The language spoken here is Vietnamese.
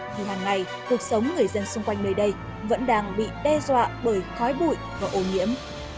thì hàng ngày cuộc sống người dân xung quanh nơi đây vẫn đang bị đe dọa bởi khói bụi và ô nhiễm